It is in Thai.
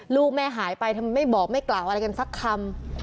ลูกแม่หายไปทำไมไม่บอกไม่กล่าวอะไรกันสักคำ